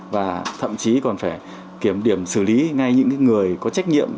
và thậm chí còn phải kiểm điểm xử lý ngay những người có trách nhiệm